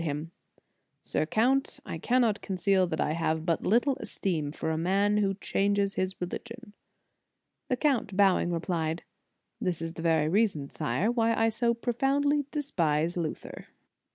2 1 6 The Sign of the Cross to him: "Sir Count, I cannot conceal that I have but little esteem for a man who changes o his religion." The Count bowing, replied: "This is the very reason, Sire, why I so pro foundly despise Luther."